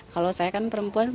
kalau saya kan perempuan